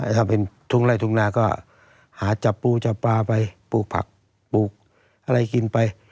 ถ้าเป็นทุ่งไล่ทุ่งนาก็หาจับปูจับปลาไปปลูกผักปลูกอะไรกินไป